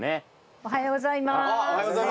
おはようございます。